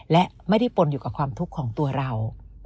และไม่ได้ปนอยู่กับความทุกข์ของตัวเรา